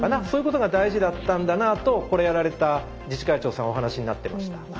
そういうことが大事だったんだなあとこれやられた自治会長さんお話しになってました。